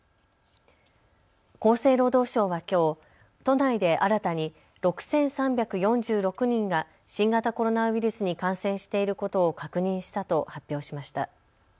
厚生労働省はきょう都内で新たに６３４６人が新型コロナウイルスに感染していることを確認したと発表しました。